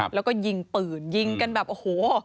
แล้วก็ยิงปืนยิงกันแบบโอ้โห